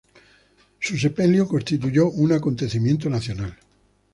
Su sepelio constituyó un acontecimiento nacional.